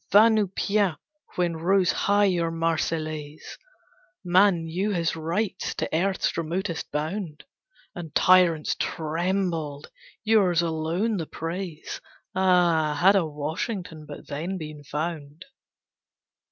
Va nu pieds! When rose high your Marseillaise Man knew his rights to earth's remotest bound, And tyrants trembled. Yours alone the praise! Ah, had a Washington but then been found!